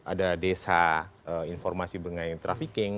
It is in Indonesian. ada desa informasi mengenai trafficking